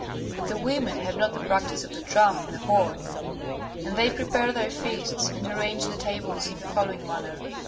But the women have not the practise of the drum and the horn. And they prepare their feasts and arrange the tables in the following manner.